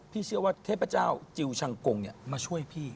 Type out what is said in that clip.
เชื่อว่าเทพเจ้าจิลชังกงมาช่วยพี่